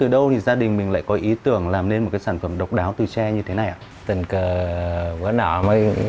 nó đang hiểu mọi nguyên liệu của tôm